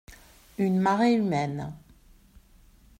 Une marée humaine.